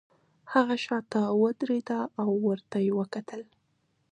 هغه شاته ودریده او ورته یې وکتل